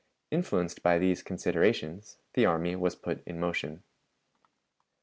Influenced by these considerations, the army was put in motion.